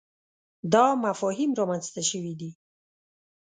دا مفاهیم رامنځته شوي دي.